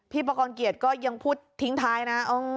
พี่ปกรณ์เกียจก็ยังพูดทิ้งท้ายนะ